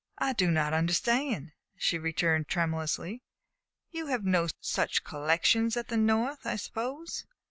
"I do not understand," she returned tremulously. "You have such collections at the North, I suppose."